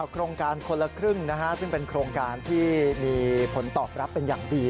โครงการคนละครึ่งซึ่งเป็นโครงการที่มีผลตอบรับเป็นอย่างดี